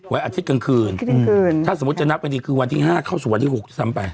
อาทิตย์กลางคืนถ้าสมมุติจะนับกันดีคือวันที่๕เข้าสู่วันที่๖ซ้ำไป